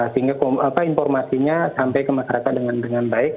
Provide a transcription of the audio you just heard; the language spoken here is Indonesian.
sehingga informasinya sampai ke masyarakat dengan baik